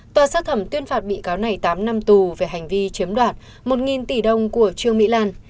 tòa sơ thẩm tuyên phạt bị cáo này tám năm tù về hành vi chiếm đoạt một tỷ đồng của trương mỹ lan